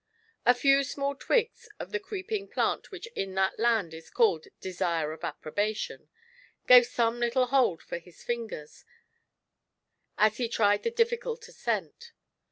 A few small twigs of the creeping plant which in that land is called " Desire of Approbation," gave some little hold for his fingers, as he tried the difficult ascent.